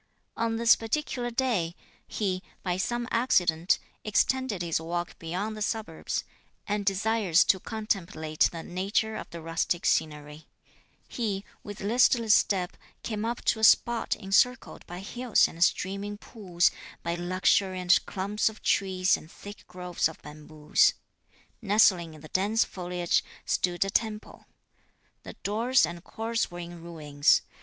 On this particular day, he, by some accident, extended his walk beyond the suburbs, and desirous to contemplate the nature of the rustic scenery, he, with listless step, came up to a spot encircled by hills and streaming pools, by luxuriant clumps of trees and thick groves of bamboos. Nestling in the dense foliage stood a temple. The doors and courts were in ruins.